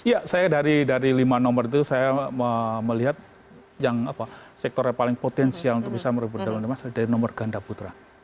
ya saya dari lima nomor itu saya melihat yang sektor yang paling potensial untuk bisa merebut daun emas dari nomor ganda putra